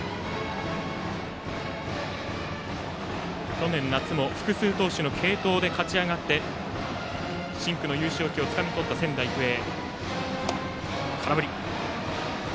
去年夏も複数投手の継投で勝ち上がって深紅の優勝旗をつかみ取った仙台育英。